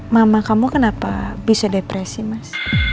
mama kamu kenapa bisa depresi mas